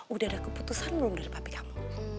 udah ada keputusan belum dari pabrik kamu